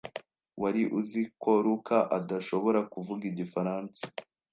Wari uzi ko Luka adashobora kuvuga igifaransa?